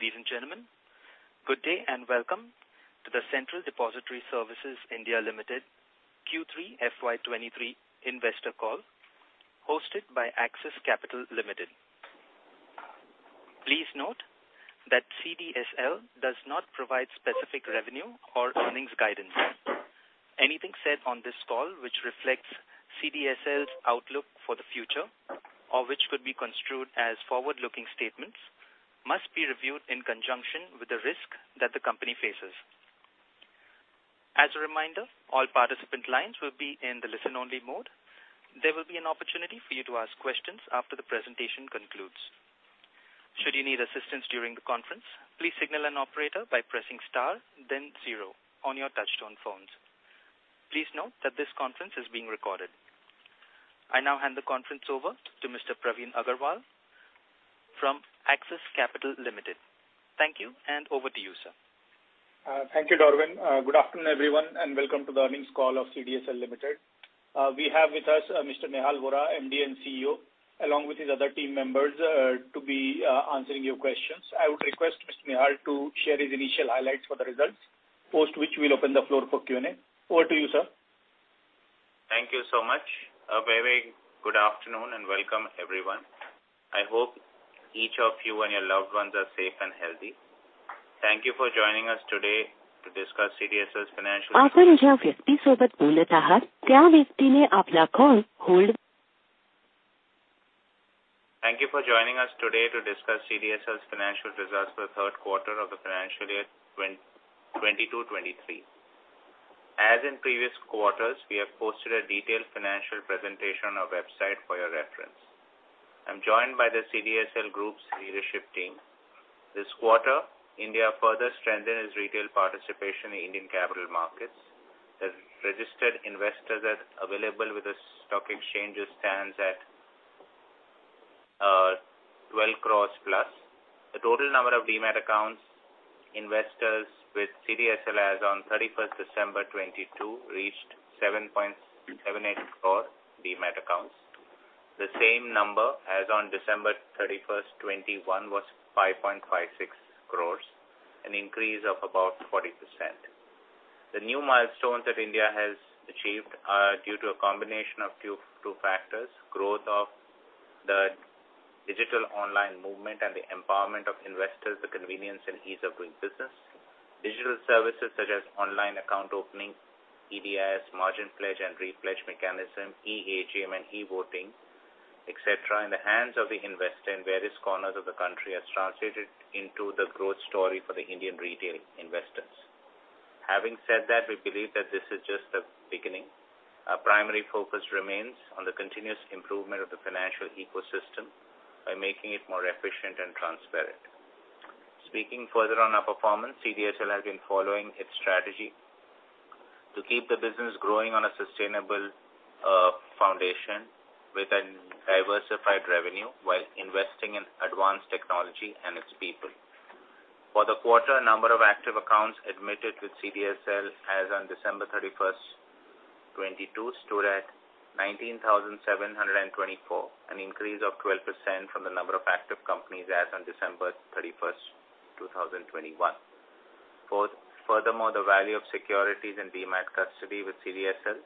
Ladies and gentlemen, good day and welcome to the Central Depository Services (India) Limited Q3 FY 2023 investor call hosted by Axis Capital Limited. Please note that CDSL does not provide specific revenue or earnings guidance. Anything said on this call which reflects CDSL's outlook for the future or which could be construed as forward-looking statements must be reviewed in conjunction with the risk that the company faces. As a reminder, all participant lines will be in the listen-only mode. There will be an opportunity for you to ask questions after the presentation concludes. Should you need assistance during the conference, please signal an operator by pressing star then zero on your touch-tone phones. Please note that this conference is being recorded. I now hand the conference over to Mr. Praveen Agarwal from Axis Capital Limited. Thank you, over to you, sir. Thank you, Darwin. Good afternoon, everyone, and welcome to the earnings call of CDSL Limited. We have with us, Mr. Nehal Vora, MD and CEO, along with his other team members, to be answering your questions. I would request Mr. Nehal to share his initial highlights for the results, post which we'll open the floor for Q&A. Over to you, sir. Thank you so much. A very good afternoon, and welcome everyone. I hope each of you and your loved ones are safe and healthy. Thank you for joining us today to discuss CDSL's financial results for the third quarter of the financial year 2022, 2023. As in previous quarters, we have posted a detailed financial presentation on our website for your reference. I'm joined by the CDSL group's leadership team. This quarter, India further strengthened its retail participation in Indian capital markets. The registered investors that available with the stock exchanges stands at 12 crore+. The total number of demat accounts investors with CDSL as on December 31, 2022 reached 7.78 crore demat accounts. The same number as on December 31, 2021 was 5.56 crore, an increase of about 40%. The new milestones that India has achieved are due to a combination of two factors, growth of the digital online movement and the empowerment of investors, the convenience and ease of doing business. Digital services such as online account opening, EDS, margin pledge and repledge mechanism, EAGM and e-voting, et cetera, in the hands of the investor in various corners of the country has translated into the growth story for the Indian retail investors. Having said that, we believe that this is just the beginning. Our primary focus remains on the continuous improvement of the financial ecosystem by making it more efficient and transparent. Speaking further on our performance, CDSL has been following its strategy to keep the business growing on a sustainable foundation with a diversified revenue while investing in advanced technology and its people. For the quarter, number of active accounts admitted with CDSL as on December 31, 2022 stood at 19,724, an increase of 12% from the number of active companies as on December 31, 2021. Furthermore, the value of securities in demat custody with CDSL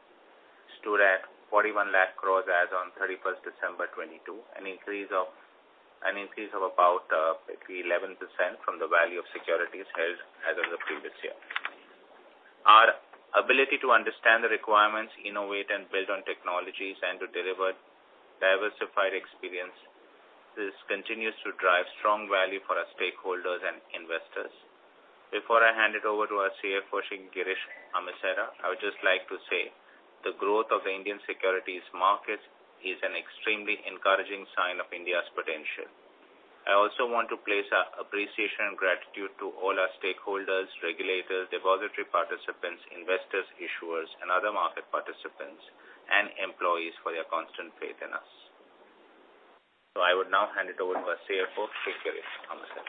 stood at 41 lakh crore as on December 31, 2022, an increase of about maybe 11% from the value of securities held as of the previous year. Our ability to understand the requirements, innovate and build on technologies and to deliver diversified experience, this continues to drive strong value for our stakeholders and investors. Before I hand it over to our CFO, Girish Amesara, I would just like to say the growth of the Indian securities market is an extremely encouraging sign of India's potential. I also want to place our appreciation and gratitude to all our stakeholders, regulators, depository participants, investors, issuers and other market participants and employees for their constant faith in us. I would now hand it over to our CFO, Girish Amesara.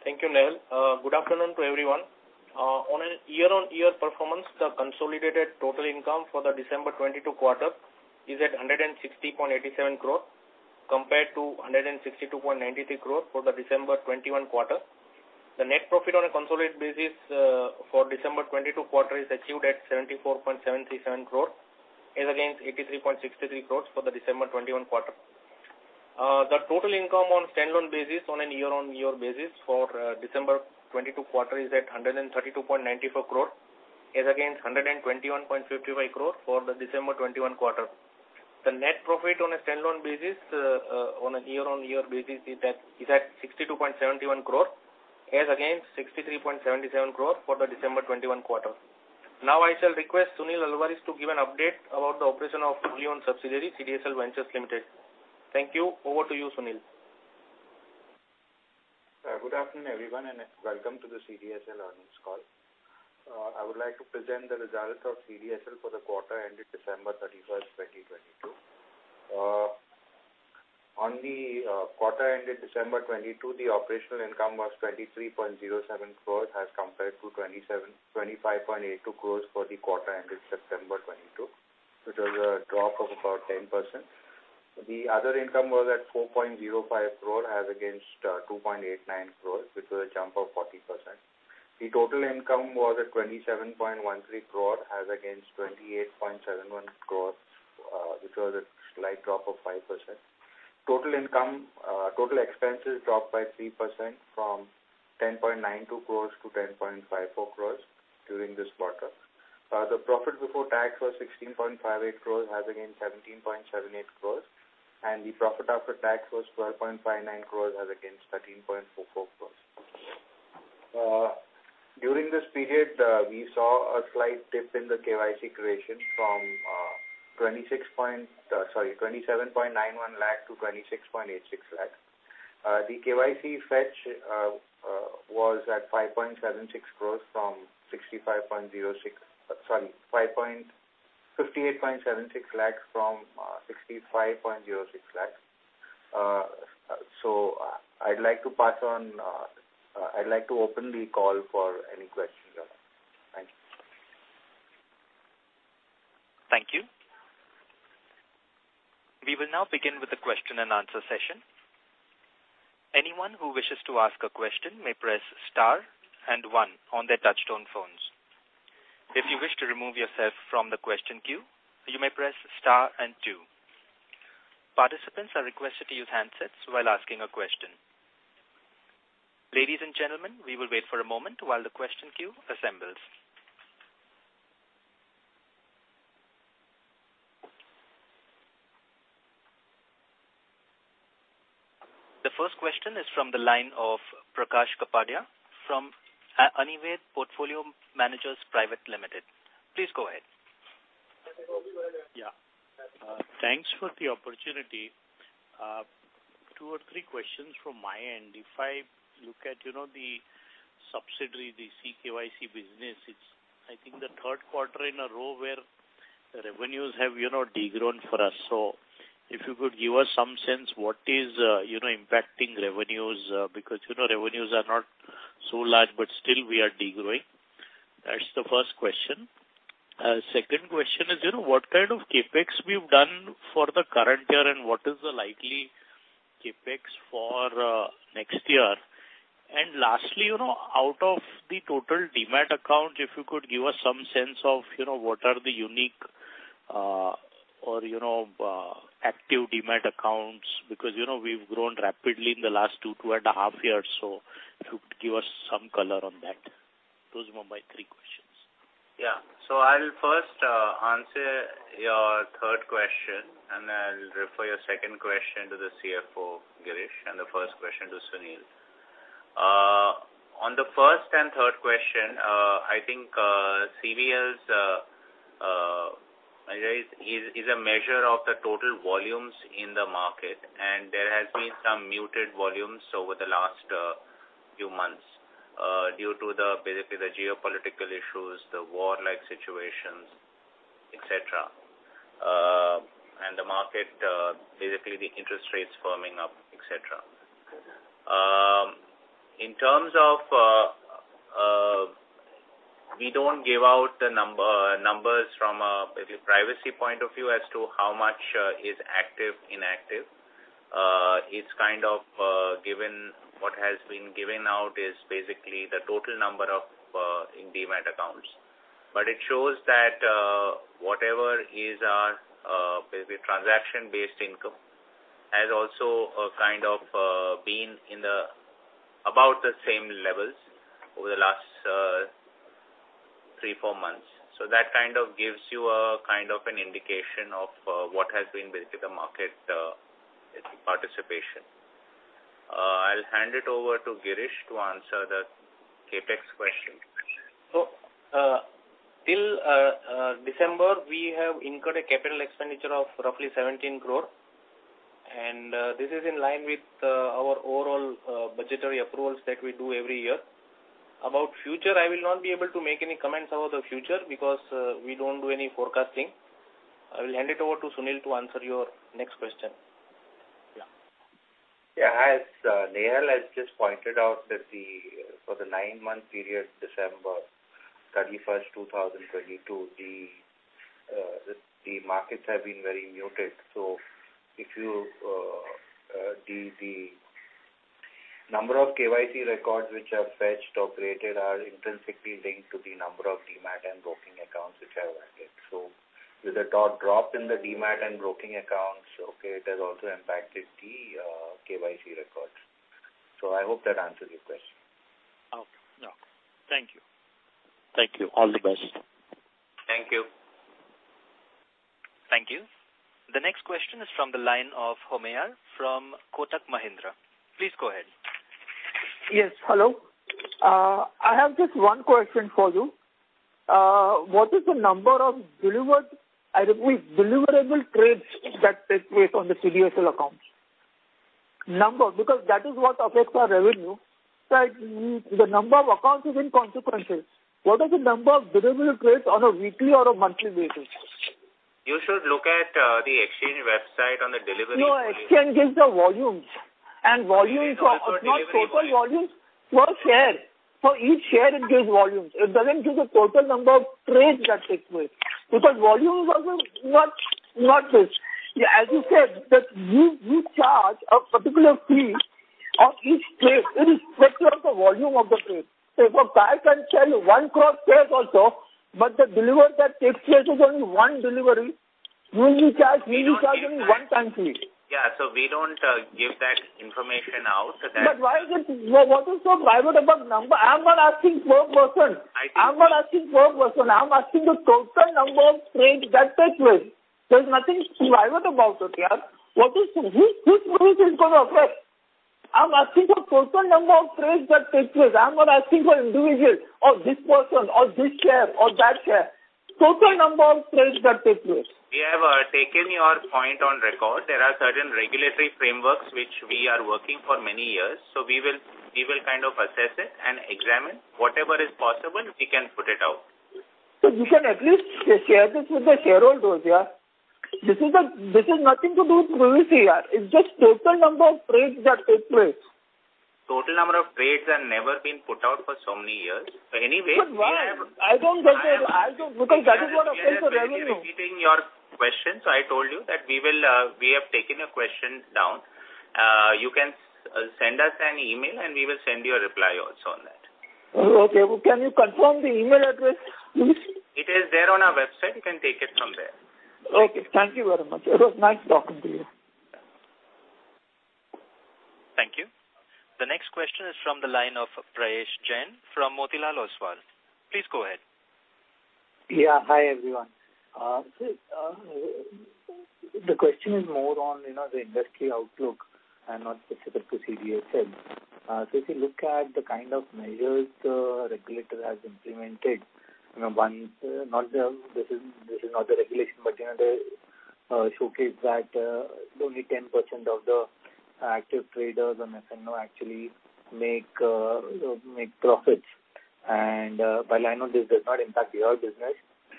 Thank you, Nehal. Good afternoon to everyone. On a year-on-year performance, the consolidated total income for the December 2022 quarter is at 160.87 crore compared to 162.93 crore for the December 2021 quarter. The net profit on a consolidated basis for December 2022 quarter is achieved at 74.737 crore as against 83.63 crore for the December 2021 quarter. The total income on standalone basis on a year-on-year basis for December 2022 quarter is at 132.94 crore as against 121.55 crore for the December 2021 quarter. The net profit on a standalone basis on a year-on-year basis is at 62.71 crore as against 63.77 crore for the December 2021 quarter. I shall request Sunil Alvares to give an update about the operation of fully owned subsidiary CDSL Ventures Limited. Thank you. Over to you, Sunil. Good afternoon everyone, and welcome to the CDSL earnings call. I would like to present the results of CDSL for the quarter ended December 31st, 2022. On the quarter ended December 2022, the operational income was 23.07 crore as compared to 25.82 crore for the quarter ended September 2022, which was a drop of about 10%. The other income was at 4.05 crore as against 2.89 crore, which was a jump of 40%. The total income was at 27.13 crore as against 28.71 crore, which was a slight drop of 5%. Total income, total expenses dropped by 3% from 10.92 crore to 10.54 crore during this quarter. The profit before tax was 16.58 crore as against 17.78 crore, and the profit after tax was 12.59 crore as against 13.44 crore. During this period, we saw a slight dip in the KYC creation from 27.91 lakh to 26.86 lakh. The KYC fetch was at 5.76 crores from 65.06 lakhs... Sorry, 58.76 lakhs from 65.06 lakhs. I'd like to open the call for any questions now. Thank you. Thank you. We will now begin with the question and answer session. Anyone who wishes to ask a question may press star and one on their touchtone phones. If you wish to remove yourself from the question queue, you may press star and two. Participants are requested to use handsets while asking a question. Ladies and gentlemen, we will wait for a moment while the question queue assembles. The first question is from the line of Prakash Kapadia from Anived Portfolio Managers Private Limited. Please go ahead. Yeah. Thanks for the opportunity. Two or three questions from my end. If I look at, you know, the subsidiary, the CKYC business, it's I think the third quarter in a row where the revenues have, you know, de-grown for us. If you could give us some sense what is, you know, impacting revenues, because, you know, revenues are not so large, but still we are de-growing. That's the first question. Second question is, you know, what kind of CapEx we've done for the current year and what is the likely CapEx for next year? Lastly, you know, out of the total demat account, if you could give us some sense of, you know, what are the unique, or you know, active demat accounts, because, you know, we've grown rapidly in the last 2.5 years. If you could give us some color on that. Those were my three questions. Yeah. I'll first answer your third question, and I'll refer your second question to the CFO, Girish, and the first question to Sunil. On the first and third question, I think CVL's measure of the total volumes in the market, and there has been some muted volumes over the last few months due to the, basically the geopolitical issues, the war-like situations, etc. The market, basically the interest rates firming up, etc. In terms of, we don't give out the numbers from a privacy point of view as to how much is active, inactive. It's kind of given what has been given out is basically the total number of in demat accounts. It shows that, whatever is our, basically transaction-based income has also, kind of, been in the about the same levels over the last, three to four months. That kind of gives you a kind of an indication of, what has been basically the market, participation. I'll hand it over to Girish to answer the CapEx question. Till December, we have incurred a capital expenditure of roughly 17 crore. This is in line with our overall budgetary approvals that we do every year. About future, I will not be able to make any comments about the future because we don't do any forecasting. I will hand it over to Sunil to answer your next question. Yeah. As Nehal has just pointed out that for the nine-month period, December 31, 2022, the markets have been very muted. If you, the number of KYC records which are fetched or created are intrinsically linked to the number of demat and broking accounts which are added. With the drop in the demat and broking accounts, it has also impacted the KYC records. I hope that answers your question. Okay. Yeah. Thank you. Thank you. All the best. Thank you. Thank you. The next question is from the line of Homer from Kotak Mahindra. Please go ahead. Yes, hello. I have just one question for you. What is the number of delivered, I repeat, deliverable trades that take place on the CDSL accounts? Number, because that is what affects our revenue. The number of accounts is inconsequential. What is the number of deliverable trades on a weekly or a monthly basis? You should look at the exchange website on the delivery- It can give the volumes and volume total volume per share. For each share it gives volumes. It doesn't give the total number of trades that take place. Because volumes are not this. As you said, that you charge a particular fee on each trade irrespective of the volume of the trade. If a guy can sell you one cross trade also, but the delivery that takes place is only one delivery, you will be charged one time fee. Yeah. We don't give that information out so that- Why is it... what is so private about number? I'm not asking for a person. I think I'm not asking for a person. I'm asking the total number of trades that take place. There's nothing private about it here. What is it? Whose privacy is gonna affect? I'm asking for total number of trades that take place. I'm not asking for individual or this person or this share or that share. Total number of trades that take place. We have taken your point on record. There are certain regulatory frameworks which we are working for many years. We will kind of assess it and examine. Whatever is possible, we can put it out. You can at least share this with the shareholders, yeah. This is nothing to do with privacy, yeah. It's just total number of trades that take place. Total number of trades have never been put out for so many years. Anyway, we have. Why? I don't get it. That is what. You're repeating your question, so I told you that we will, we have taken your questions down. You can send us an email and we will send you a reply also on that. Okay. Well, can you confirm the email address please? It is there on our website. You can take it from there. Okay. Thank you very much. It was nice talking to you. Thank you. The next question is from the line of Prayesh Jain from Motilal Oswal. Please go ahead. Yeah. Hi, everyone. So the question is more on, you know, the industry outlook and not specific to CDSL. If you look at the kind of measures the regulator has implemented, you know, one, not the regulation but, you know, the showcase that only 10% of the active traders on F&O actually make profits. By line of business does not impact your business.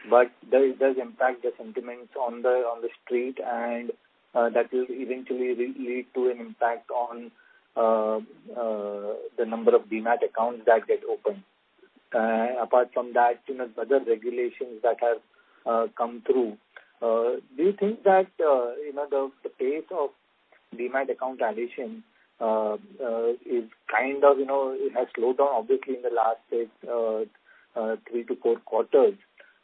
There it does impact the sentiments on the street and that will eventually re-lead to an impact on the number of demat accounts that get opened. Apart from that, you know, other regulations that have come through. Do you think that, you know, the pace of demat account addition is kind of, you know, it has slowed down obviously in the last three to four quarters.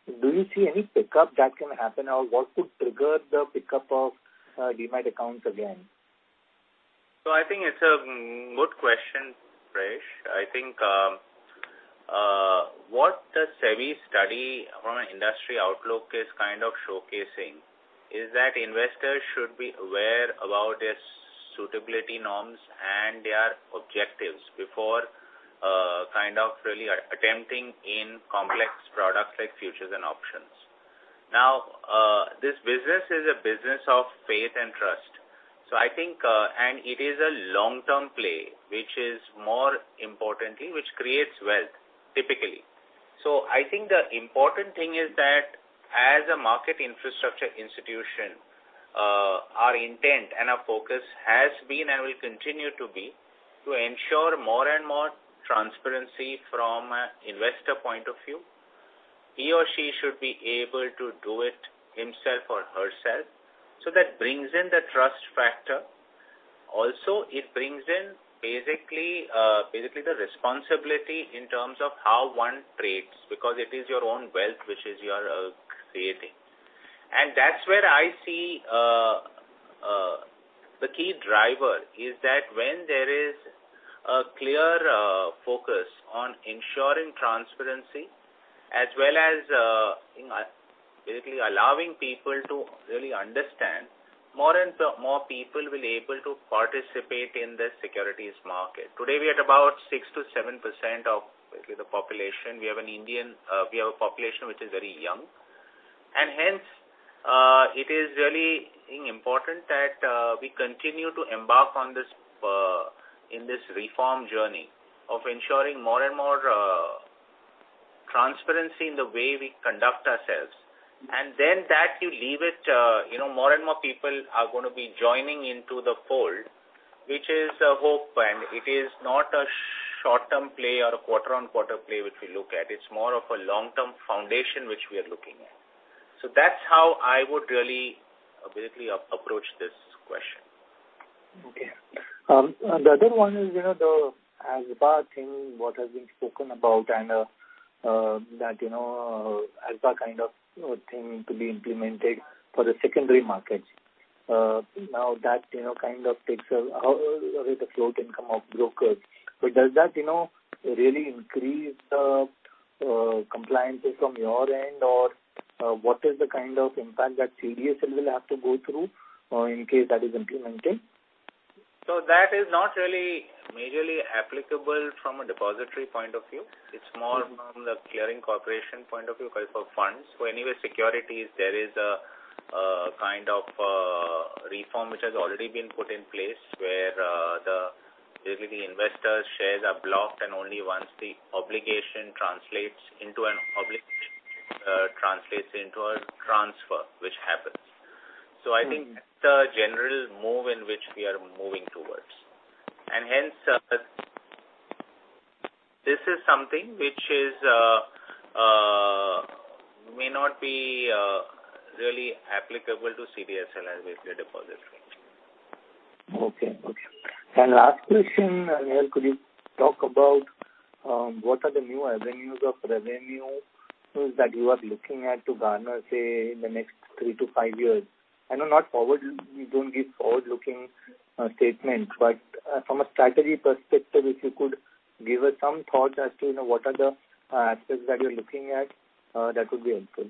Do you see any pickup that can happen or what could trigger the pickup of demat accounts again? I think it's a good question, Prayesh. I think what the SEBI study from an industry outlook is kind of showcasing is that investors should be aware about their suitability norms and their objectives before kind of really attempting in complex products like futures and options. This business is a business of faith and trust. I think and it is a long-term play, which is more importantly, which creates wealth typically. I think the important thing is that as a market infrastructure institution, our intent and our focus has been and will continue to be to ensure more and more transparency from investor point of view. He or she should be able to do it himself or herself. That brings in the trust factor. It brings in basically the responsibility in terms of how one trades because it is your own wealth which is your creating. That's where I see the key driver, is that when there is a clear focus on ensuring transparency as well as, you know, basically allowing people to really understand, more and more people will able to participate in the securities market. Today, we're at about 6%-7% of basically the population. We have an Indian, we have a population which is very young. Hence, it is really important that we continue to embark on this in this reform journey of ensuring more and more transparency in the way we conduct ourselves. That you leave it, you know, more and more people are gonna be joining into the fold, which is a hope. It is not a short-term play or a quarter on quarter play which we look at. It's more of a long-term foundation which we are looking at. That's how I would really basically approach this question. e is, you know, the ASBA thing, what has been spoken about, that, you know, ASBA kind of thing to be implemented for the secondary markets. Now that, you know, kind of takes how is the float income of brokers. But does that, you know, really increase the compliances from your end? Or what is the kind of impact that CDSL will have to go through in case that is implemented? That is not really majorly applicable from a depository point of view. Mm-hmm. It's more from the clearing corporation point of view because for funds. Anyway, securities, there is a kind of a reform which has already been put in place where Basically, investors' shares are blocked and only once the obligation translates into a transfer which happens. Mm-hmm. I think the general move in which we are moving towards. Hence, this is something which is may not be really applicable to CDSL as a deposit switch. Okay. Okay. Last question, Nehal. Could you talk about what are the new avenues of revenue that you are looking at to garner, say, in the next three to five years? I know not forward, we don't give forward-looking statements, but from a strategy perspective, if you could give us some thoughts as to, you know, what are the aspects that you're looking at that would be helpful.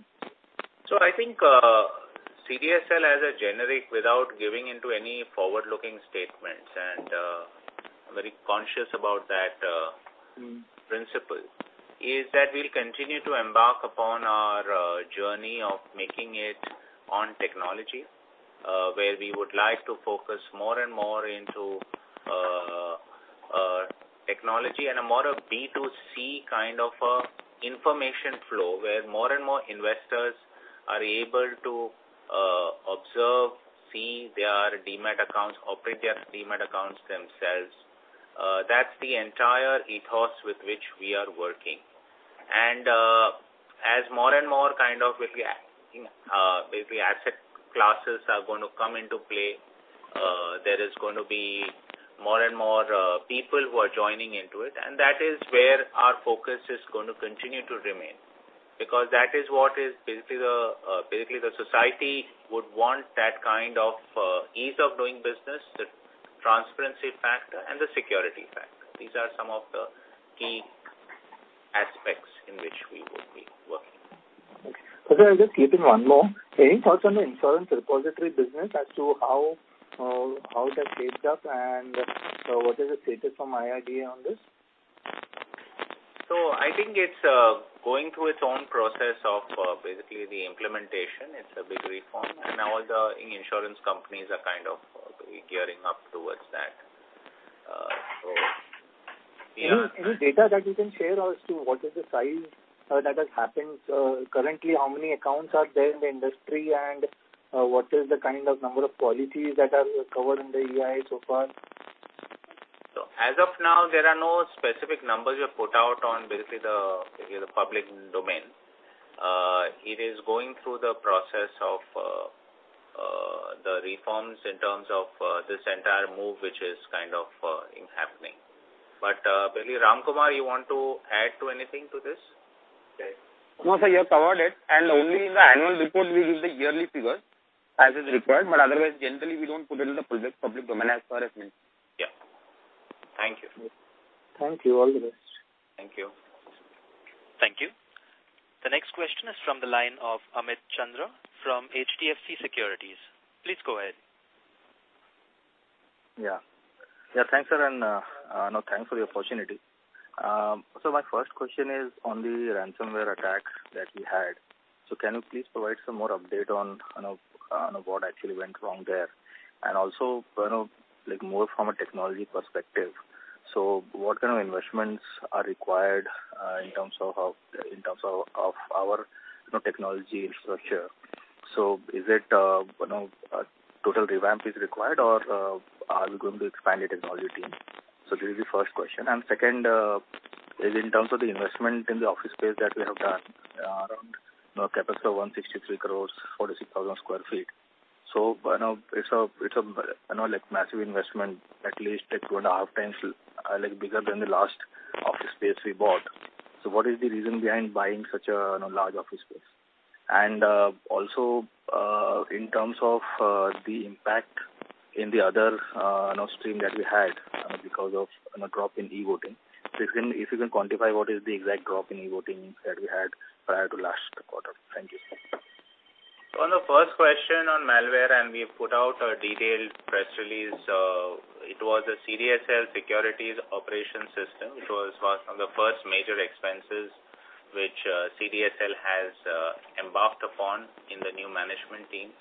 I think, CDSL as a generic without giving into any forward-looking statements, and, I'm very conscious about that. Mm-hmm... principle, is that we'll continue to embark upon our journey of making it on technology, where we would like to focus more and more into technology and a more of B2C kind of information flow, where more and more investors are able to observe, see their demat accounts, operate their demat accounts themselves. That's the entire ethos with which we are working. As more and more kind of, basically, asset classes are gonna come into play, there is gonna be more and more people who are joining into it, and that is where our focus is gonna continue to remain. Because that is what is basically the society would want that kind of ease of doing business, the transparency factor and the security factor. These are some of the key aspects in which we will be working. Okay. Sir, I'll just keep in one more. Any thoughts on the insurance repository business as to how that shaped up and what is the status from IRDAI on this? I think it's going through its own process of basically the implementation. It's a big reform, and all the insurance companies are kind of gearing up towards that. Yeah. Any data that you can share as to what is the size that has happened? Currently how many accounts are there in the industry and what is the kind of number of policies that are covered in the EI so far? As of now, there are no specific numbers we have put out on basically the public domain. It is going through the process of the reforms in terms of this entire move which is kind of happening. Girish, Ramkumar, you want to add to anything to this? Okay. No, sir, you have covered it. Only in the annual report we give the yearly figures as is required, but otherwise generally we don't put it in the public domain as far as me. Yeah. Thank you. Thank you. All the best. Thank you. Thank you. The next question is from the line of Amit Chandra from HDFC Securities. Please go ahead. Yeah. Yeah, thanks, sir, thanks for the opportunity. My first question is on the ransomware attacks that we had. Can you please provide some more update on, you know, on what actually went wrong there? Also, you know, like more from a technology perspective. What kind of investments are required in terms of our, you know, technology infrastructure? Is it, you know, a total revamp is required or are we going to expand the technology team? This is the first question. Second is in terms of the investment in the office space that we have done, around, you know, capital 163 crores, 46,000 sq ft. You know, it's a, it's, you know, like massive investment, at least like 2.5x like bigger than the last office space we bought. What is the reason behind buying such a, you know, large office space? Also, in terms of the impact in the other, you know, stream that we had, because of, you know, drop in e-voting. If you can quantify what is the exact drop in e-voting that we had prior to last quarter. Thank you. On the first question on malware, we've put out a detailed press release. It was a CDSL securities operation system. It was one of the first major expenses which CDSL has embarked upon in the new management team.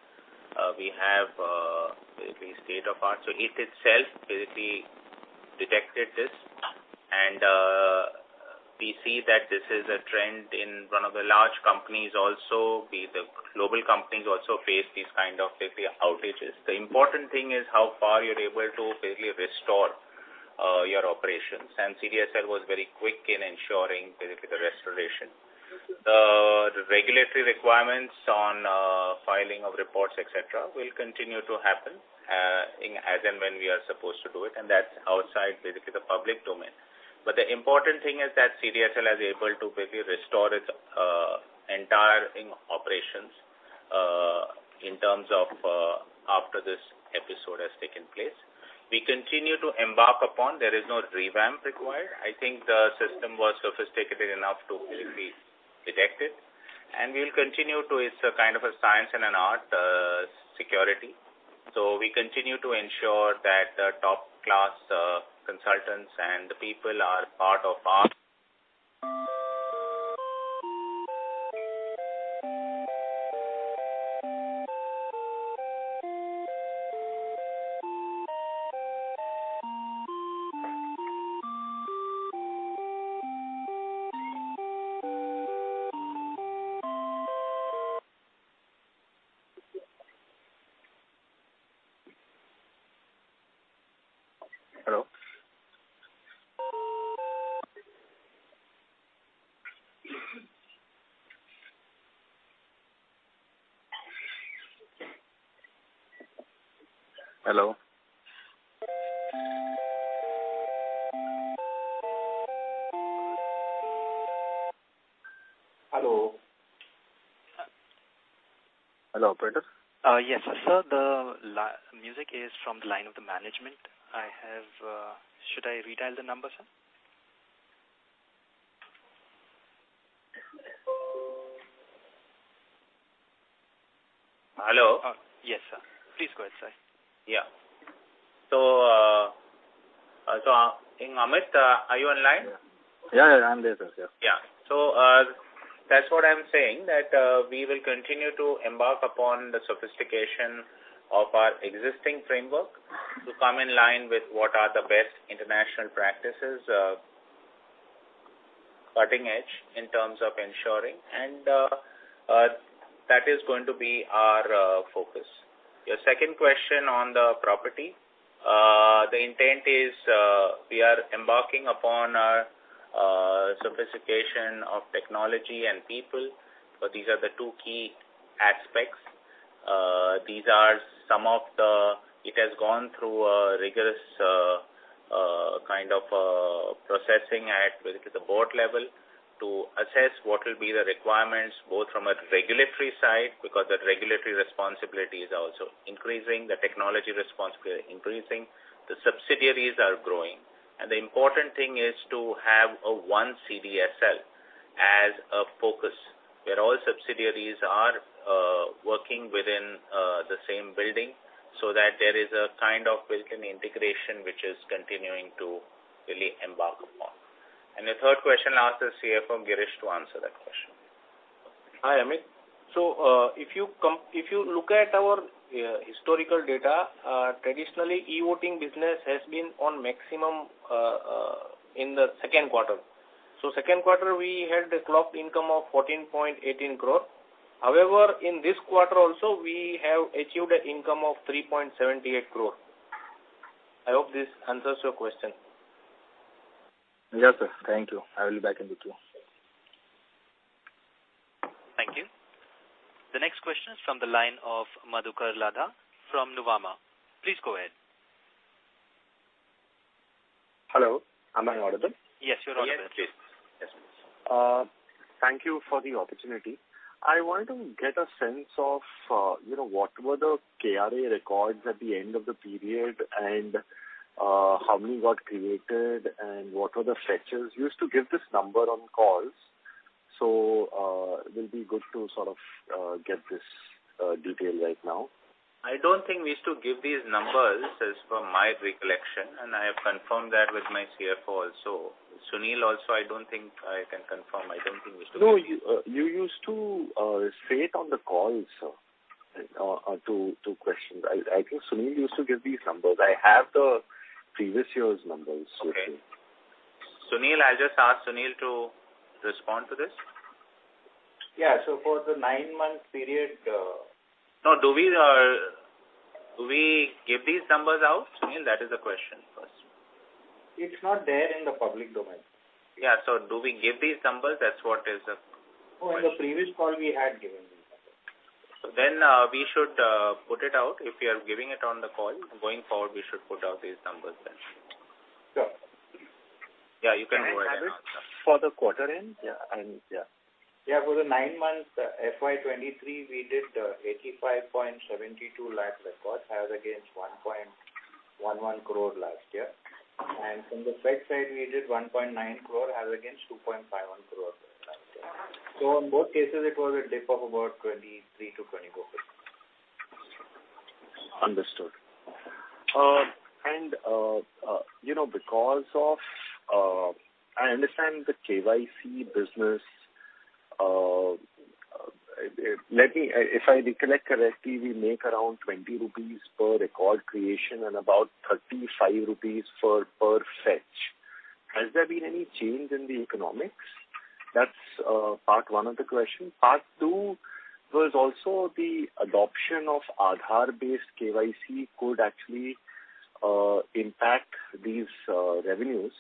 We have basically state of art. So it itself basically detected this. We see that this is a trend in one of the large companies also. Be the global companies also face these kind of basically outages. The important thing is how far you're able to basically restore your operations. CDSL was very quick in ensuring basically the restoration. The regulatory requirements on filing of reports, etcetera, will continue to happen in as and when we are supposed to do it, and that's outside basically the public domain. The important thing is that CDSL is able to basically restore its entire in operations, in terms of, after this episode has taken place. We continue to embark upon. There is no revamp required. I think the system was sophisticated enough to basically detect it. We'll continue to, it's a kind of a science and an art, security. We continue to ensure that the top-class consultants and the people are part of our. Hello? Hello? Hello. Hello, operator. Yes. Sir, the music is from the line of the management. I have. Should I redial the number, sir? Hello? Yes, sir. Please go ahead, sir. Yeah. Amit, are you online? Yeah. I'm there, sir. Yeah. That's what I'm saying, that we will continue to embark upon the sophistication of our existing framework to come in line with what are the best international practices, cutting-edge in terms of ensuring. That is going to be our focus. Your second question on the property. The intent is we are embarking upon sophistication of technology and people. These are the two key aspects. It has gone through a rigorous kind of processing at the board level to assess what will be the requirements, both from a regulatory side, because the regulatory responsibility is also increasing, the technology responsibility is increasing, the subsidiaries are growing. The important thing is to have a one CDSL as a focus, where all subsidiaries are working within the same building, so that there is a kind of built-in integration which is continuing to really embark upon. The third question, I'll ask the CFO, Girish, to answer that question. Hi, Amit. If you look at our historical data, traditionally, e-voting business has been on maximum in the second quarter. Second quarter, we had a clocked income of 14.18 crore. However, in this quarter also, we have achieved an income of 3.78 crore. I hope this answers your question. Yes, sir. Thank you. I will look into it. Thank you. The next question is from the line of Madhukar Ladha from Nuvama. Please go ahead. Hello, am I audible? Yes, you're audible. Yes, please. Thank you for the opportunity. I wanted to get a sense of, you know, what were the KRA records at the end of the period and how many got created and what were the fetches. You used to give this number on calls. It will be good to sort of get this detail right now. I don't think we used to give these numbers, as per my recollection, and I have confirmed that with my CFO also. Sunil also, I don't think I can confirm. I don't think we used to. No, you used to say it on the call, sir, two questions. I think Sunil used to give these numbers. I have the previous year's numbers with me. Okay. Sunil, I'll just ask Sunil to respond to this. Yeah. for the nine-month period, No, do we, do we give these numbers out, Sunil? That is the question first. It's not there in the public domain. Yeah. Do we give these numbers? That's what is the question. On the previous call, we had given these numbers. We should put it out. If we are giving it on the call, going forward, we should put out these numbers then. Sure. Yeah, you can go ahead and answer. For the quarter end? Yeah. Yeah. Yeah, for the nine months, FY 2023, we did 85.72 lakh records, as against 1.11 crore last year. From the fetch side, we did 1.9 crore as against 2.51 crore last year. In both cases, it was a dip of about 23%-24%. Understood. You know, because of, I understand the KYC business, If I recollect correctly, we make around 20 rupees per record creation and about 35 rupees for per fetch. Has there been any change in the economics? That's part one of the question. Part two was also the adoption of Aadhaar-based KYC could actually impact these revenues.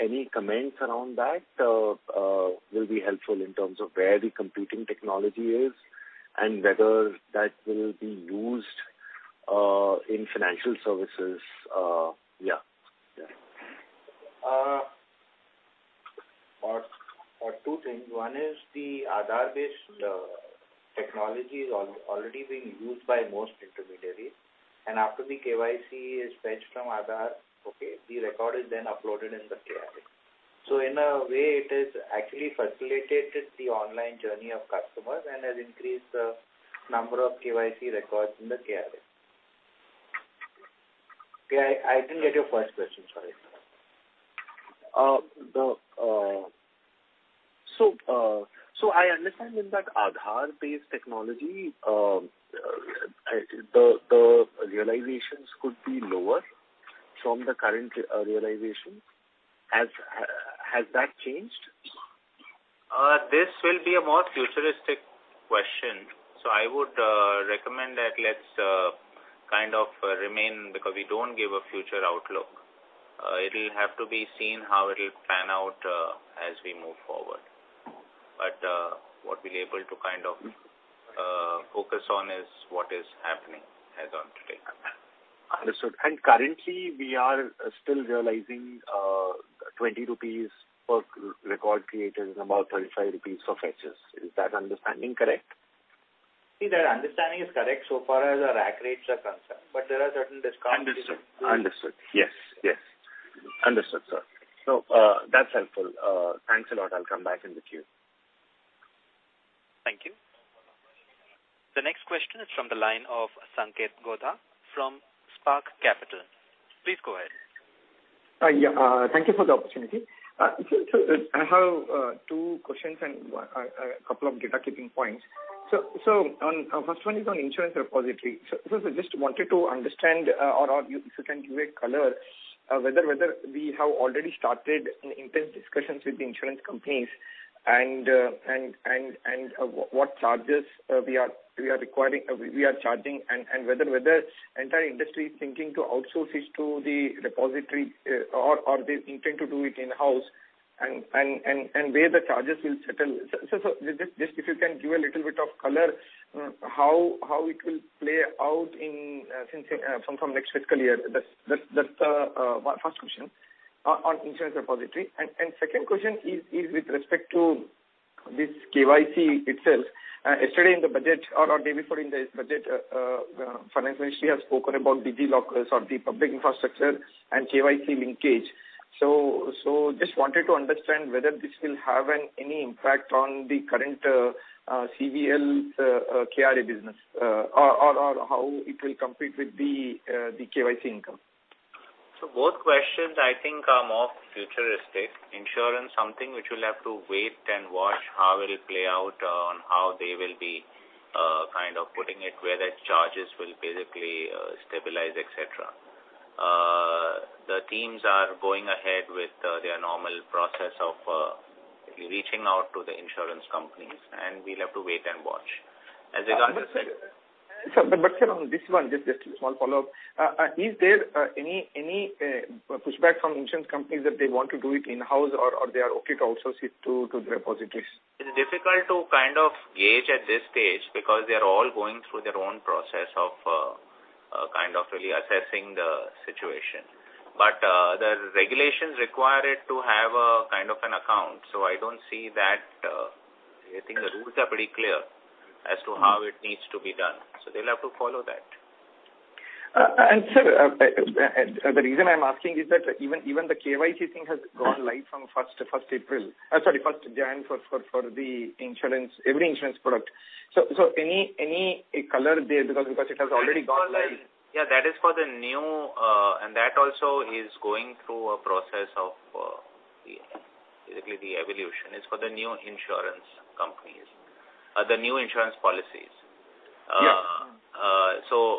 Any comments around that will be helpful in terms of where the competing technology is and whether that will be used in financial services. Yeah. Yeah. Two things. One is the Aadhaar-based technology is already being used by most intermediaries. After the KYC is fetched from Aadhaar, okay, the record is then uploaded in the KRA. In a way, it has actually facilitated the online journey of customers and has increased the number of KYC records in the KRA. Yeah, I didn't get your first question. Sorry, sir. I understand in that Aadhaar-based technology, the realizations could be lower from the current realization. Has that changed? This will be a more futuristic question, so I would recommend that let's kind of remain because we don't give a future outlook. It'll have to be seen how it'll pan out as we move forward. What we're able to kind of focus on is what is happening as on today. Understood. Currently we are still realizing, 20 rupees per record created and about 35 rupees of HS. Is that understanding correct? That understanding is correct so far as our rack rates are concerned, but there are certain discounts... Understood. Yes. Understood, sir. That's helpful. Thanks a lot. I'll come back in the queue. Thank you. The next question is from the line of Sanket Godha from Spark Capital. Please go ahead. Yeah. Thank you for the opportunity. I have two questions and a couple of data keeping points. On... First one is on insurance repository. I just wanted to understand, or if you can give a color, whether we have already started in intense discussions with the insurance companies and what charges we are charging and whether entire industry is thinking to outsource it to the repository, or they intend to do it in-house and where the charges will settle. Just if you can give a little bit of color, how it will play out in since from next fiscal year. That's my first question on insurance repository. Second question is with respect to this KYC itself. Yesterday in the budget or day before in the budget, finance ministry has spoken about digital lockers or the public infrastructure and KYC linkage. Just wanted to understand whether this will have an any impact on the current CVL KRA business. Or how it will compete with the KYC income. Both questions, I think, are more futuristic. Insurance, something which will have to wait and watch how it'll play out on how they will be, kind of putting it, whether charges will basically, stabilize, et cetera. The teams are going ahead with their normal process of reaching out to the insurance companies, and we'll have to wait and watch. Sir, on this one, just a small follow-up. Is there any pushback from insurance companies that they want to do it in-house or they are okay to outsource it to the repositories? It's difficult to kind of gauge at this stage because they are all going through their own process of kind of really assessing the situation. The regulations require it to have a kind of an account, I don't see that. I think the rules are pretty clear as to how it needs to be done, they'll have to follow that. I'm asking is that even the KYC thing has gone live from 1st April. Sorry, 1st January for the insurance, every insurance product. Any color there because it has already gone live. Yeah, that is for the new, and that also is going through a process of, basically the evolution. It's for the new insurance companies, the new insurance policies. Yeah.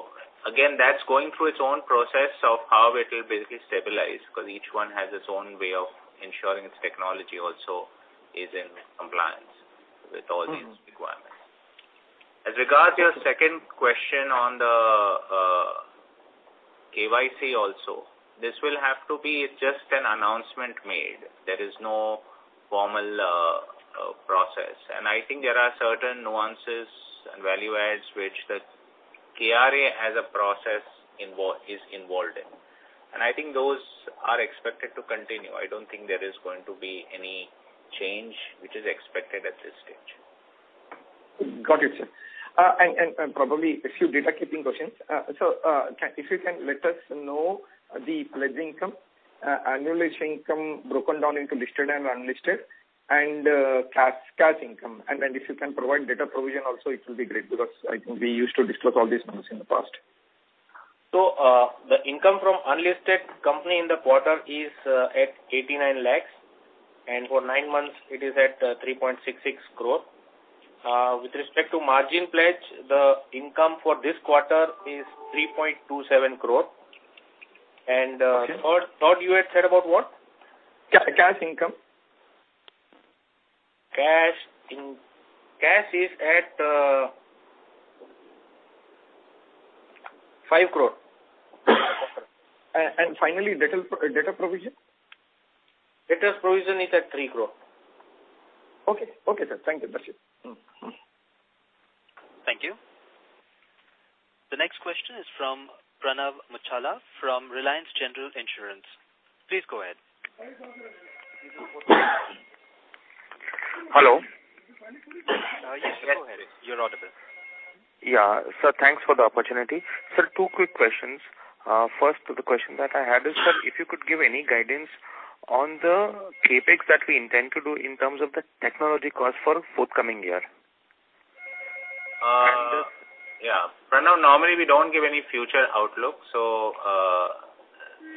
Again, that's going through its own process of how it will basically stabilize, 'cause each one has its own way of ensuring its technology also is in compliance with all these requirements. As regards your second question on the KYC also, this will have to be just an announcement made. There is no formal process. I think there are certain nuances and value adds which the KRA has a process is involved in. I think those are expected to continue. I don't think there is going to be any change which is expected at this stage. Got it, sir. Probably a few data keeping questions. If you can let us know the pledge income, annual income broken down into listed and unlisted, and cash income. If you can provide data provision also, it will be great because I think we used to disclose all these numbers in the past. The income from unlisted company in the quarter is at 89 lakh, and for nine months it is at 3.66 crore. With respect to margin pledge, the income for this quarter is 3.27 crore. Okay. Third you had said about what? cash income. Cash is at 5 crore. Finally, data provision? Data provision is at 3 crore. Okay. Okay, sir. Thank you. That's it. Thank you. The next question is from Pranav Mashruwala from Reliance General Insurance. Please go ahead. Hello. Yes, go ahead. You're audible. Yeah. Sir, thanks for the opportunity. Sir, two quick questions. First, the question that I had is, sir, if you could give any guidance on the CapEx that we intend to do in terms of the technology cost for forthcoming year. Yeah. For now, normally we don't give any future outlook, so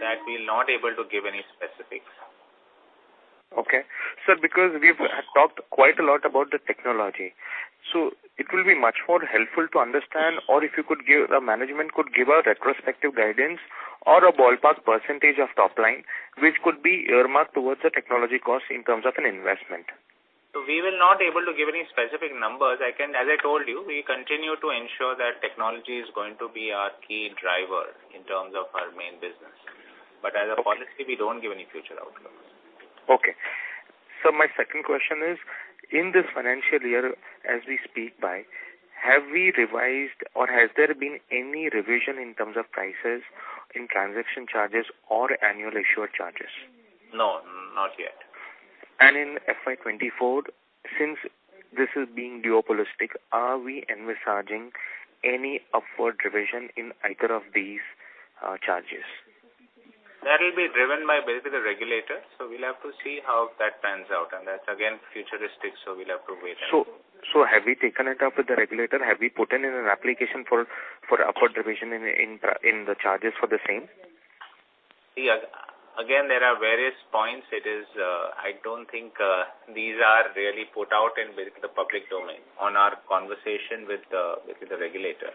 that we're not able to give any specifics. Okay. Sir, because we've talked quite a lot about the technology, so it will be much more helpful to understand or The management could give a retrospective guidance or a ballpark % of top line which could be earmarked towards the technology costs in terms of an investment. We will not able to give any specific numbers. As I told you, we continue to ensure that technology is going to be our key driver in terms of our main business. As a policy, we don't give any future outlook. Okay. My second question is: In this financial year, as we speak, have we revised or has there been any revision in terms of prices in transaction charges or annual issue charges? No, not yet. In FY 2024, since this is being duopolistic, are we envisaging any upward revision in either of these, charges? That will be driven by basically the regulator. We'll have to see how that pans out. That's again futuristic, so we'll have to wait and see. Have we taken it up with the regulator? Have we put in an application for upward revision in the charges for the same? Yeah. Again, there are various points. It is, I don't think, these are really put out in basically the public domain on our conversation with the regulator.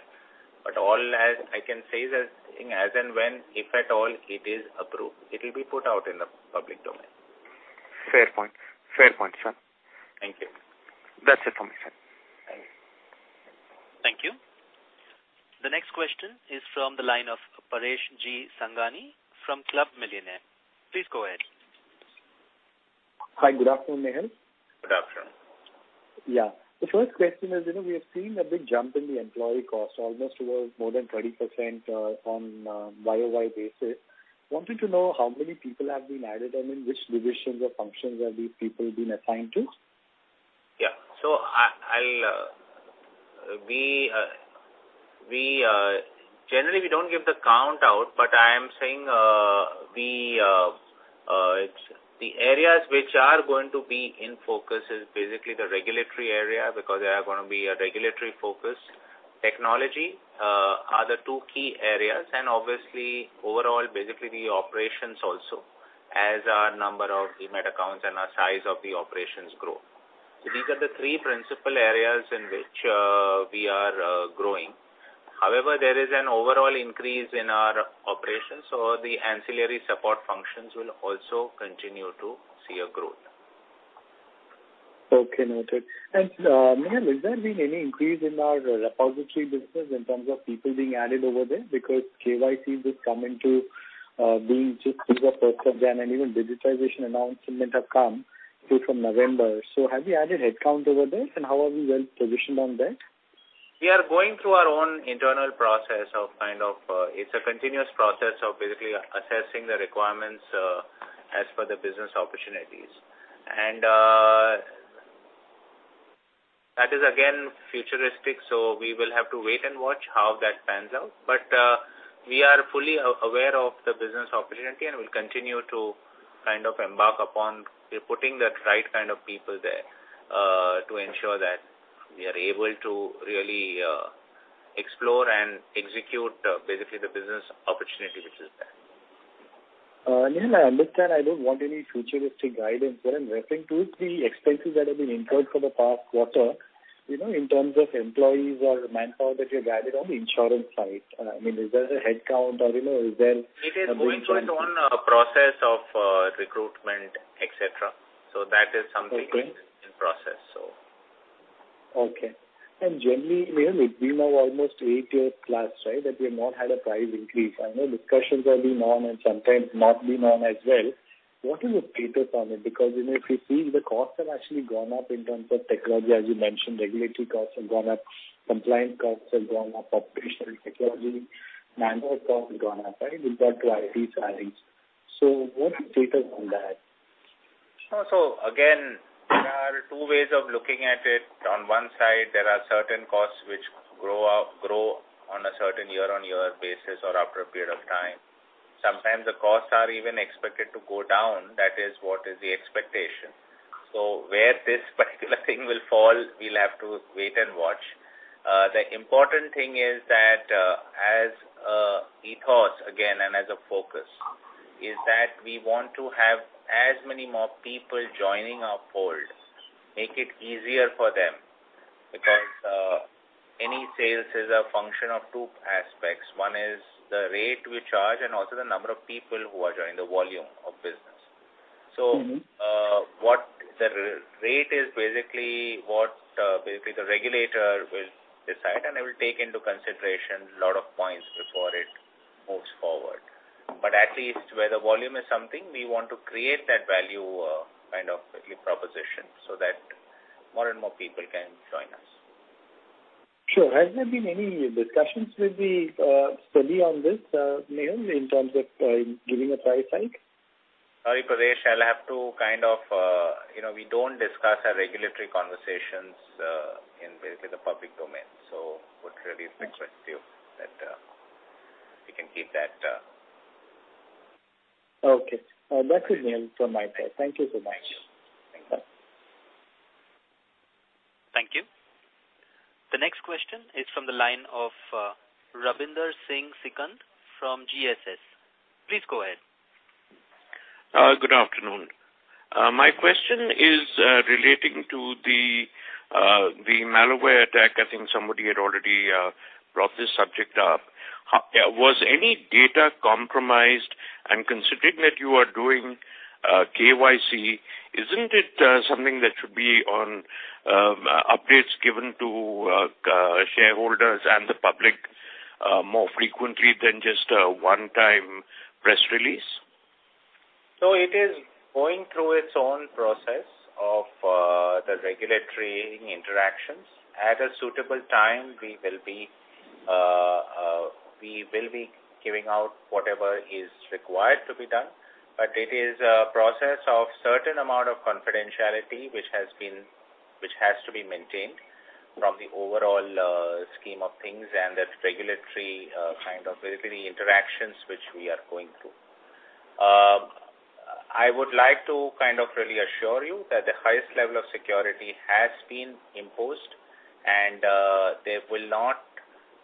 All as I can say is as and when, if at all it is approved, it will be put out in the public domain. Fair point. Fair point, sir. Thank you. That's it from my side. Thank you. Thank you. The next question is from the line of Paresh G. Sangani from Club Millionaire. Please go ahead. Hi. Good afternoon, Nehal. Good afternoon. Yeah. The first question is, you know, we have seen a big jump in the employee cost, almost towards more than 30%, on YoY basis. Wanted to know how many people have been added, and in which divisions or functions have these people been assigned to? Yeah. I'll we generally we don't give the count out, but I am saying the areas which are going to be in focus is basically the regulatory area because there are gonna be a regulatory focus. Technology are the two key areas and obviously overall basically the operations also as our number of demat accounts and our size of the operations grow. These are the three principal areas in which we are growing. However, there is an overall increase in our operations, so the ancillary support functions will also continue to see a growth. Okay, noted. Nehal, has there been any increase in our repository business in terms of people being added over there? Because KYC is coming to being just through the first of January, and even digitization announcement have come through from November. Have you added headcount over there, and how are we well-positioned on that? We are going through our own internal process of kind of, it's a continuous process of basically assessing the requirements, as per the business opportunities. That is again futuristic, so we will have to wait and watch how that pans out. We are fully aware of the business opportunity and we'll continue to kind of embark upon putting the right kind of people there, to ensure that we are able to really, explore and execute, basically the business opportunity which is there. Nehal, I understand. I don't want any futuristic guidance there. I'm referring to the expenses that have been incurred for the past quarter, you know, in terms of employees or manpower that you have added on the insurance side. I mean, is there a headcount or, you know, is there? It is going through its own, process of, recruitment, et cetera. That is something- Okay. in process, so. Okay. Generally, Nehal, it's been now almost 8+ years, right, that we have not had a price increase. I know discussions have been on and sometimes not been on as well. What is your take on it? Because, you know, if you see the costs have actually gone up in terms of technology, as you mentioned, regulatory costs have gone up, compliance costs have gone up, operational technology, manpower costs have gone up, right, with regard to IT salaries. What is your take on that? Again, there are two ways of looking at it. On one side, there are certain costs which grow up, grow on a certain year-on-year basis or after a period of time. Sometimes the costs are even expected to go down. That is what is the expectation. Where this particular thing will fall, we'll have to wait and watch. The important thing is that, as ethos again and as a focus, is that we want to have as many more people joining our fold, make it easier for them, because any sales is a function of two aspects. One is the rate we charge and also the number of people who are joining the volume of business. Mm-hmm. What the rate is basically what basically the regulator will decide, and they will take into consideration a lot of points before it moves forward. At least where the volume is something, we want to create that value kind of proposition so that more and more people can join us. Sure. Has there been any discussions with the study on this Nehal, in terms of giving a price hike? Sorry, Paresh. I'll have to kind of, you know, we don't discuss our regulatory conversations in basically the public domain. Would really request. Can keep that. Okay. That is it from my side. Thank you so much. Thank you. Thank you. The next question is from the line of Ravinder Singh Sikka from GSS. Please go ahead. Good afternoon. My question is relating to the malware attack. I think somebody had already brought this subject up. Was any data compromised? Considering that you are doing KYC, isn't it something that should be on updates given to shareholders and the public more frequently than just a one-time press release? It is going through its own process of the regulatory interactions. At a suitable time, we will be giving out whatever is required to be done. It is a process of certain amount of confidentiality which has to be maintained from the overall scheme of things and the regulatory kind of regulatory interactions which we are going through. I would like to kind of really assure you that the highest level of security has been imposed and there will not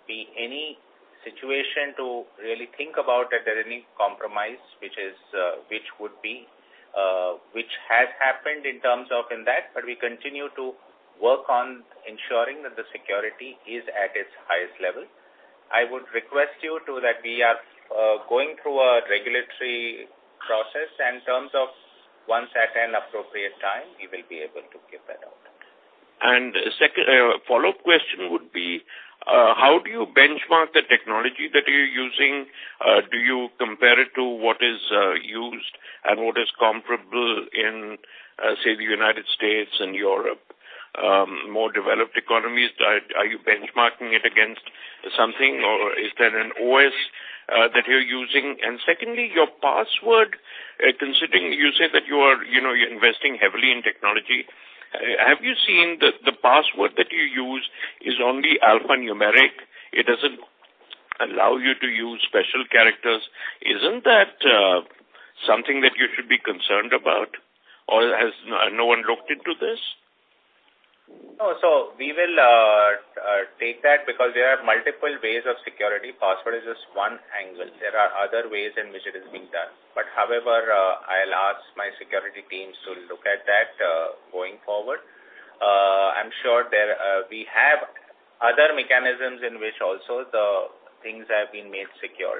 be any situation to really think about that there are any compromise which has happened in terms of in that, but we continue to work on ensuring that the security is at its highest level. I would request you to that we are, going through a regulatory process in terms of once at an appropriate time, we will be able to give that out. Second, follow-up question would be, how do you benchmark the technology that you're using? Do you compare it to what is used and what is comparable in, say, the United States and Europe, more developed economies? Are you benchmarking it against something or is there an OS that you're using? Secondly, your password, considering you say that you are, you know, you're investing heavily in technology, have you seen the password that you use is only alphanumeric? It doesn't allow you to use special characters. Isn't that something that you should be concerned about? Or has no one looked into this? No. We will take that because there are multiple ways of security. Password is just one angle. There are other ways in which it is being done. However, I'll ask my security teams to look at that going forward. I'm sure there we have other mechanisms in which also the things have been made secure.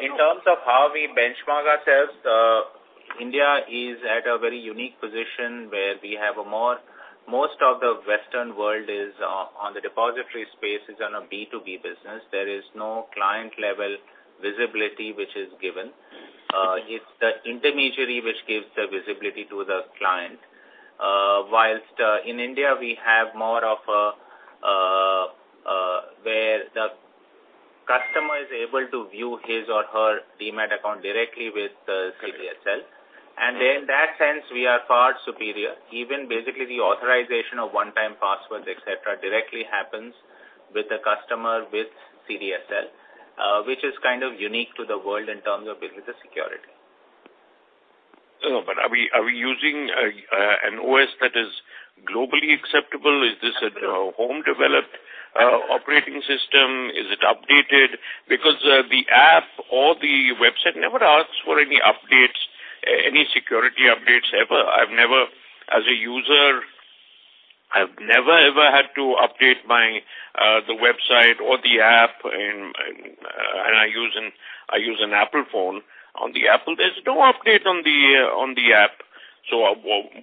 In terms of how we benchmark ourselves, India is at a very unique position where we have. Most of the Western world is on the depository space is on a B2B business. There is no client-level visibility which is given. It's the intermediary which gives the visibility to the client. Whilst in India, we have more of a where the customer is able to view his or her demat account directly with the CDSL. In that sense, we are far superior. Even basically the authorization of one-time passwords, et cetera, directly happens with the customer with CDSL, which is kind of unique to the world in terms of, with the security. No, are we, are we using an OS that is globally acceptable? Is this a home-developed operating system? Is it updated? Because the app or the website never asks for any updates, any security updates ever. I've never, as a user, I've never, ever had to update my the website or the app and I use an Apple phone. On the Apple, there's no update on the on the app.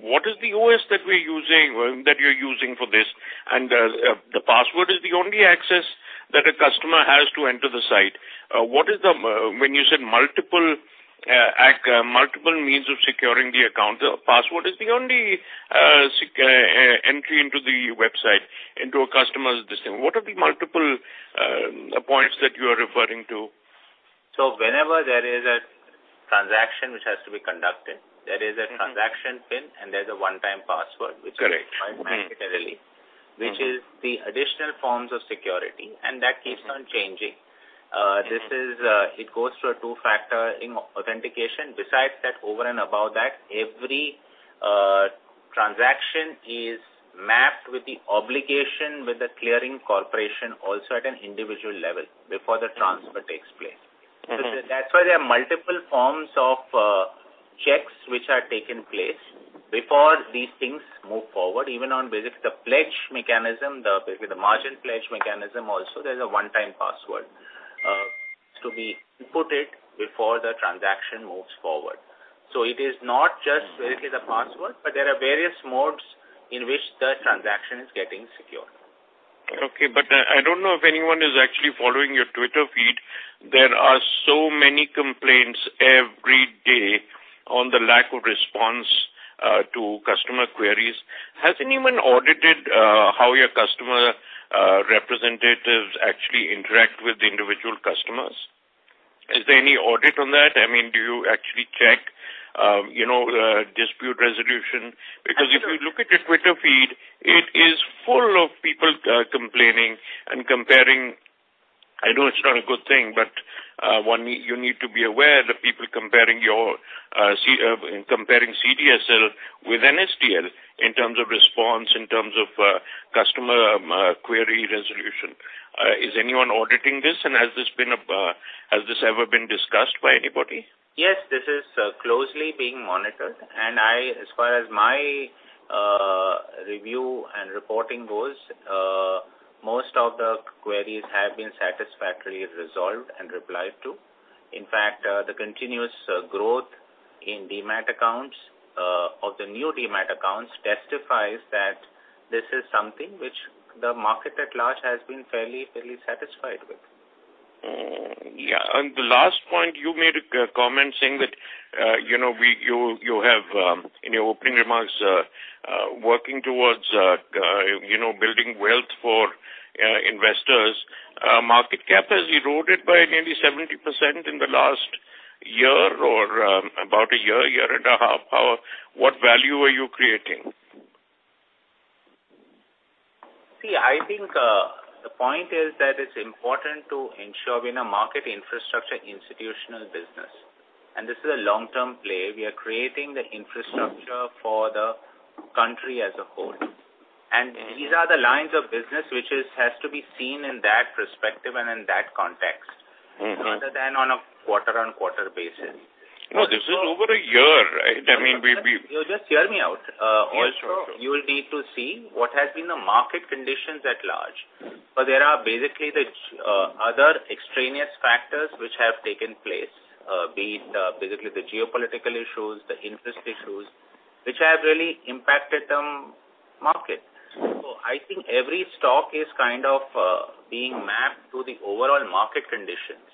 What is the OS that we're using or that you're using for this? The password is the only access that a customer has to enter the site. What is the... When you said multiple means of securing the account, password is the only entry into the website, into a customer's system? What are the multiple points that you are referring to? Whenever there is a transaction which has to be conducted, there is a transaction pin, and there's a one-time password. Correct. Mm-hmm. which is required mandatorily. Mm-hmm. Which is the additional forms of security, and that keeps on changing. This is, it goes through a two-factor authentication. Besides that, over and above that, every transaction is mapped with the obligation with the clearing corporation also at an individual level before the transfer takes place. Mm-hmm. That's why there are multiple forms of checks which are taking place before these things move forward. Even on basic, the pledge mechanism, basically the margin pledge mechanism also, there's a one-time password to be inputted before the transaction moves forward. It is not just basically the password, but there are various modes in which the transaction is getting secure. Okay, I don't know if anyone is actually following your Twitter feed. There are so many complaints every day on the lack of response to customer queries. Has anyone audited how your customer representatives actually interact with the individual customers? Is there any audit on that? I mean, do you actually you know, dispute resolution. Absolutely. If you look at your Twitter feed, it is full of people, complaining and comparing. I know it's not a good thing, but, one you need to be aware of the people comparing your, comparing CDSL with NSDL in terms of response, in terms of, customer, query resolution. Is anyone auditing this? Has this ever been discussed by anybody? Yes, this is closely being monitored. I, as far as my review and reporting goes, most of the queries have been satisfactorily resolved and replied to. The continuous growth in demat accounts of the new demat accounts testifies that this is something which the market at large has been fairly satisfied with. Yeah. The last point, you made a comment saying that, you know, you have, in your opening remarks, working towards, you know, building wealth for investors. Market cap has eroded by nearly 70% in the last year or, about a year and a half. What value are you creating? See, I think, the point is that it's important to ensure we're in a market infrastructure institutional business. This is a long-term play. We are creating the infrastructure for the country as a whole. These are the lines of business which has to be seen in that perspective and in that context. Mm-hmm... rather than on a quarter-over-quarter basis. No, this is over a year, right? I mean. Just hear me out. Yeah, sure. You will need to see what has been the market conditions at large. There are basically other extraneous factors which have taken place, be it, basically the geopolitical issues, the interest issues, which have really impacted the market. I think every stock is kind of being mapped to the overall market conditions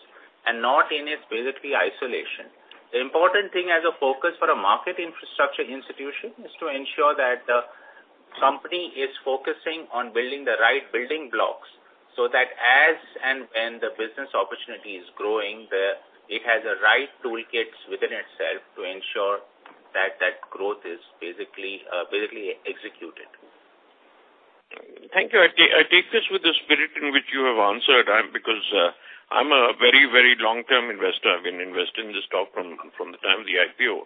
and not in its, basically, isolation. The important thing as a focus for a market infrastructure institution is to ensure that the company is focusing on building the right building blocks so that as and when the business opportunity is growing, it has the right toolkits within itself to ensure that that growth is basically executed. Thank you. I take this with the spirit in which you have answered, because, I'm a very, very long-term investor. I've been investing in this stock from the time of the IPO.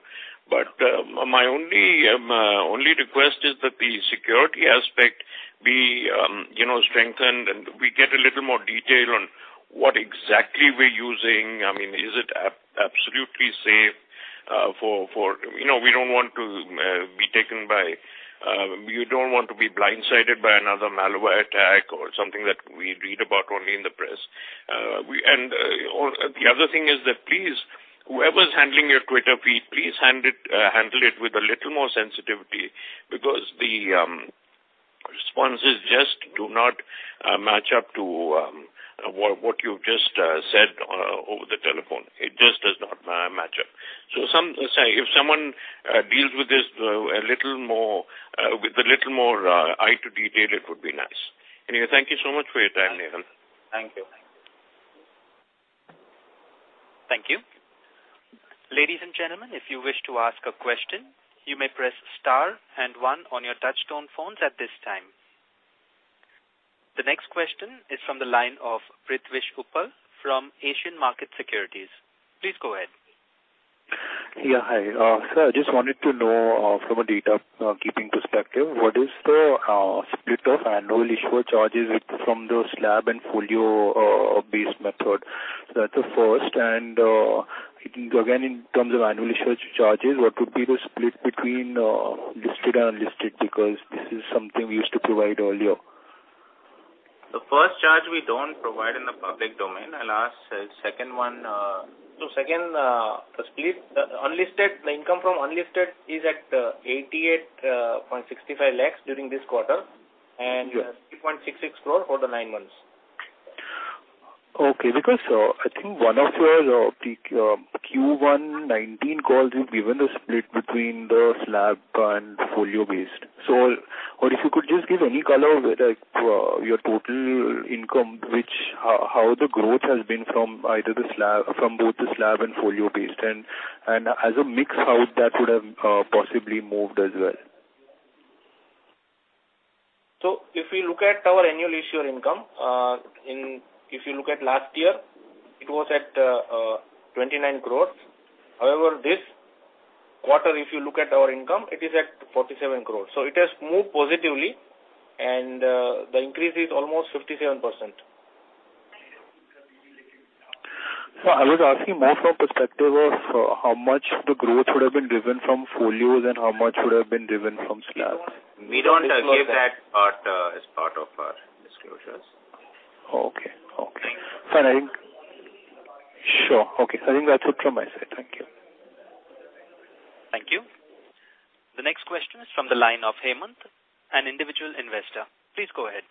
My only only request is that the security aspect be, you know, strengthened and we get a little more detail on what exactly we're using. I mean, is it absolutely safe, for? You know, we don't want to be taken by, you don't want to be blindsided by another malware attack or something that we read about only in the press. The other thing is that please, whoever's handling your Twitter feed, please hand it handle it with a little more sensitivity because the responses just do not match up to what you've just said over the telephone. It just does not match up. So some, say, if someone deals with this a little more, with a little more eye to detail, it would be nice. Anyway, thank you so much for your time, Nehal. Thank you. Thank you. Ladies and gentlemen, if you wish to ask a question, you may press star and one on your touchtone phones at this time. The next question is from the line of Pritesh Bumb from Asian Markets Securities. Please go ahead. Yeah, hi. sir, just wanted to know, from a data keeping perspective, what is the split of annual issuer charges from the slab and folio based method? That's the first. Again, in terms of annual issuer charges, what would be the split between listed and unlisted? Because this is something you used to provide earlier. The first charge we don't provide in the public domain. I'll ask, second one. Second, the split, the unlisted, the income from unlisted is at 88.65 lakhs during this quarter. Yes. 3.66 crore for the nine months. Okay. Because, I think one of your, pre, Q1 2019 calls, you've given the split between the slab and folio-based. If you could just give any color of it, like, your total income, which, how the growth has been from either the slab, from both the slab and folio-based, and as a mixed-house that would have, possibly moved as well. If we look at our annual issuer income, if you look at last year, it was at 29 crores. However, this quarter, if you look at our income, it is at 47 crores. It has moved positively. The increase is almost 57%. I was asking more from perspective of, how much the growth would have been driven from folios and how much would have been driven from slabs. We don't give that part as part of our disclosures. Okay. Okay. Fine. I think... Sure. Okay. I think that's it from my side. Thank you. Thank you. The next question is from the line of Hemant, an individual investor. Please go ahead.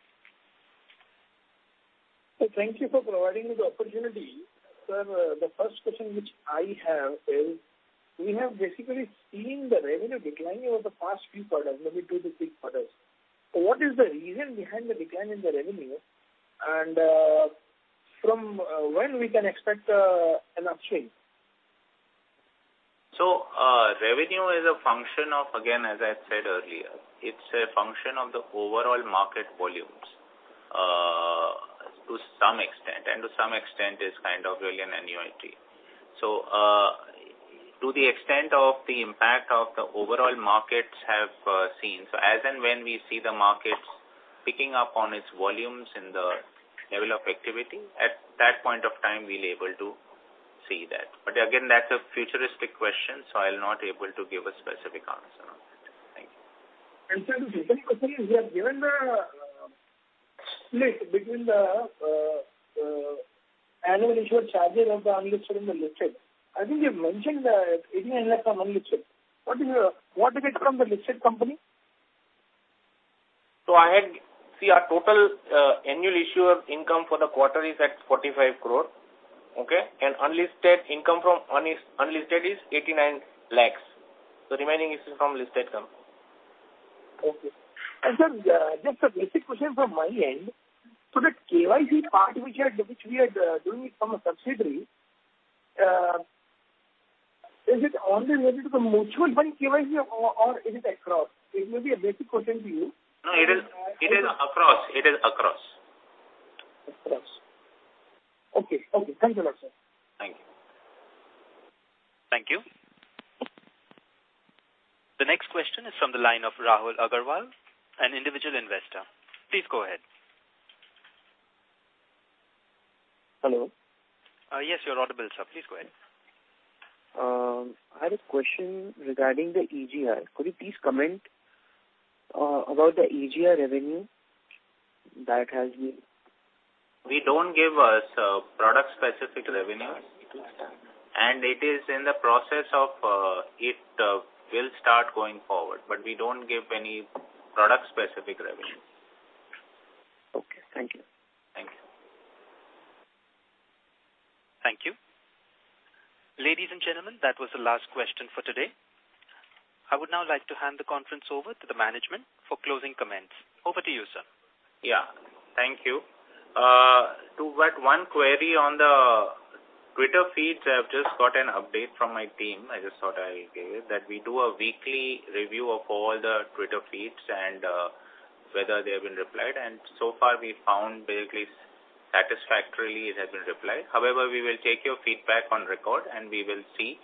Thank you for providing me the opportunity. Sir, the first question which I have is, we have basically seen the revenue declining over the past few quarters, maybe two to three quarters. What is the reason behind the decline in the revenue? From, when we can expect an upswing? Revenue is a function of, again, as I said earlier, it's a function of the overall market volumes, to some extent, and to some extent is kind of really an annuity. To the extent of the impact of the overall markets have seen. As and when we see the markets picking up on its volumes and the level of activity, at that point of time, we'll able to see that. Again, that's a futuristic question, so I'll not able to give a specific answer on that. Thank you. Sir, the second question is you have given the split between the annual issuer charges of the unlisted and the listed. I think you've mentioned INR 89 lakh on unlisted. What is what is it from the listed company? I had. See our total annual issuer income for the quarter is at 45 crore, okay? Unlisted income from unlisted is 89 lakhs. Remaining is from listed company. Okay. sir, just a basic question from my end. that KYC part which we are doing it from a subsidiary, is it only related to the mutual fund KYC or is it across? It may be a basic question to you. No, it is, it is across. It is across. Across. Okay. Okay. Thank you a lot, sir. Thank you. Thank you. The next question is from the line of Rahul Aggarwal, an individual investor. Please go ahead. Hello. Yes, you're audible, sir. Please go ahead. I had a question regarding the EGR. Could you please comment about the EGR revenue? We don't give us product specific revenues. Understood. It is in the process of, it will start going forward. We don't give any product specific revenues. Okay. Thank you. Thank you. Thank you. Ladies and gentlemen, that was the last question for today. I would now like to hand the conference over to the management for closing comments. Over to you, sir. Yeah. Thank you. to that one query on the Twitter feeds, I have just got an update from my team. I just thought I'd give it. That we do a weekly review of all the Twitter feeds and, whether they have been replied. So far we found basically satisfactorily it has been replied. However, we will take your feedback on record, and we will see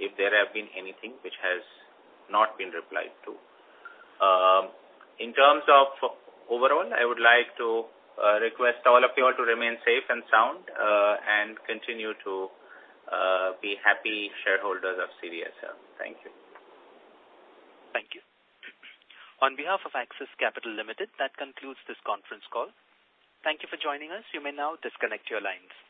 if there have been anything which has not been replied to. In terms of overall, I would like to request all of you all to remain safe and sound, and continue to be happy shareholders of CDSL. Thank you. Thank you. On behalf of Axis Capital Limited, that concludes this conference call. Thank you for joining us. You may now disconnect your lines.